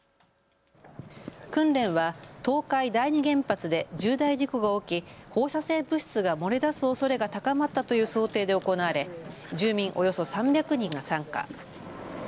訓練は東海第二原発で重大事故が起き、放射性物質が漏れ出すおそれが高まったという想定で行われ住民およそ３００人が参加。